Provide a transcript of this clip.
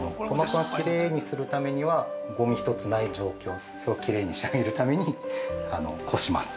きれいにするためにはごみ一つない状況、きれいに仕上げるためにこします。